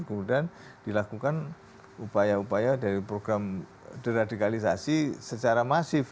kemudian dilakukan upaya upaya dari program deradikalisasi secara masif